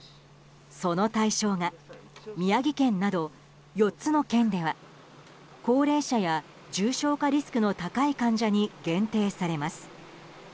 その対象が宮城県など４つの県では高齢者や重症化リスクの高い患者に限定されます。